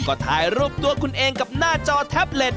ก็ถ่ายรูปตัวคุณเองกับหน้าจอแท็บเล็ต